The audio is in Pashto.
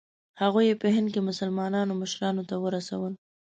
هغوی یې په هند کې مسلمانانو مشرانو ته ورسول.